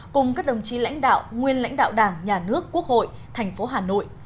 cùng các đồng chí lãnh đạo nguyên lãnh đạo đảng nhà nước quốc hội tp hà nội